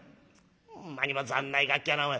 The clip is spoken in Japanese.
「ほんまにざんないガキやなお前。